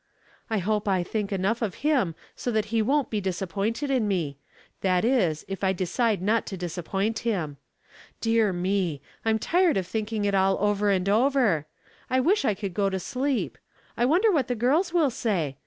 " I hope 1 think enough of him so that he wont be disap pointed in me — that is, if 1 decide not to disap point him. Dear me I I'm tired of thinking it all over and over. I wish I could go to sleep. I wonder what the girls will say?